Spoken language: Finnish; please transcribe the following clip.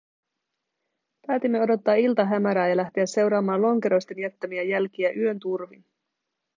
Päätimme odottaa iltahämärää ja lähteä seuraamaan lonkeroisten jättämiä jälkiä yön turvin.